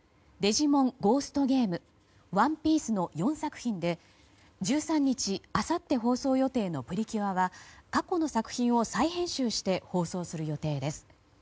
「デジモンゴーストゲーム」「ＯＮＥＰＩＥＣＥ」の４作品で１３日あさって放送予定の「プリキュア」は過去の作品を再編集して放送する予定です。